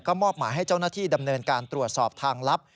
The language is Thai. มอบหมายให้เจ้าหน้าที่ดำเนินการตรวจสอบทางลับ